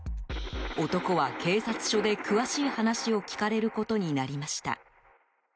男は警察署で、詳しい話を聞かれることになりました。